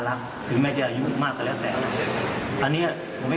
อันนี้